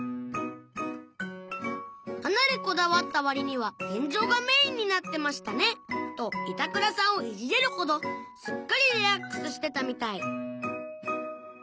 「かなりこだわった割には天井がメインになってましたね」と板倉さんをいじれるほどすっかりリラックスしてたみたい